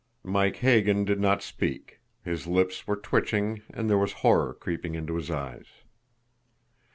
Mike Hagan did not speak his lips were twitching, and there was horror creeping into his eyes.